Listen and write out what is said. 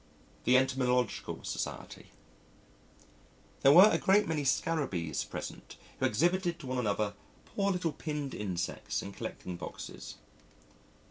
The Entomological Society There were a great many Scarabees present who exhibited to one another poor little pinned insects in collecting boxes